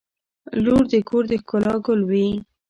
• لور د کور د ښکلا ګل وي.